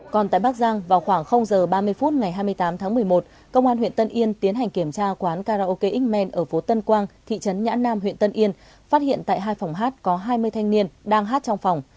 còn tại bắc giang vào khoảng h ba mươi phút ngày hai mươi tám tháng một mươi một công an huyện tân yên tiến hành kiểm tra quán karaoke x man ở phố tân quang thị trấn nhã nam huyện tân yên phát hiện tại hai phòng hát có hai mươi thanh niên đang hát trong phòng